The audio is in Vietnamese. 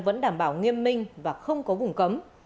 vẫn đảm bảo nghiêm minh và không có vùng cấm